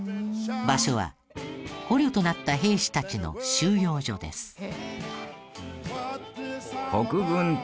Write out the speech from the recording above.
場所は捕虜となった兵士たちの収容所です。